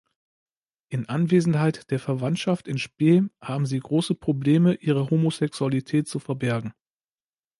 In Anwesenheit der Verwandtschaft in spe haben sie große Probleme, ihre Homosexualität zu verbergen.